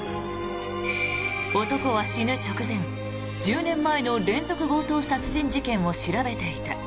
男は死ぬ直前、１０年前の連続強盗殺人事件を調べていた。